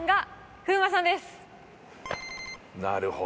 なるほど。